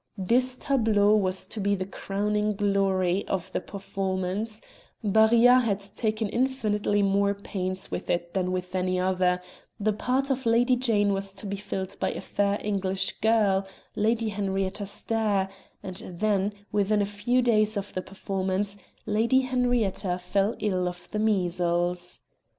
This tableau was to be the crowning glory of the performance; Barillat had taken infinitely more pains with it than with any other; the part of Lady Jane was to be filled by a fair English girl, Lady Henrietta Stair; and then, within a few days of the performance, Lady Henrietta fell ill of the measles.